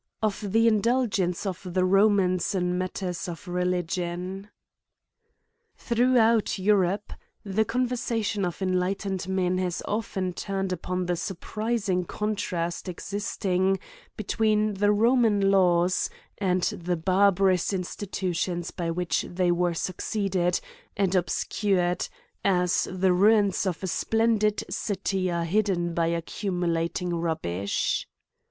Of the indulgence of the Bomans in Matters of Re^ ligion. THROUGHOUT Europe, the conversation of enlightened men has often turned upon the sur prising contrast existing between the Roman laws, and the barbarous institutions by which they were succeeded and obscured, as the ruins of a splendid city are hidden by accumulating rubbish.